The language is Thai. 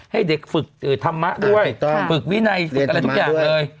ให้เด็กฝึกธรรมะด้วยฝึกวินัยฝึกอะไรทุกอย่างเลย